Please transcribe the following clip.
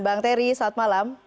bang teri selamat malam